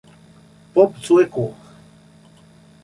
Pop sueco